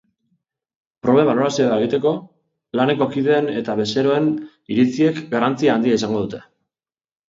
Proben balorazioa egiteko, laneko kideen eta bezeroen iritziek garrantzia handia izango dute.